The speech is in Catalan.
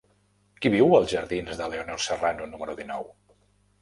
Qui viu als jardins de Leonor Serrano número dinou?